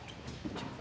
ちょっと。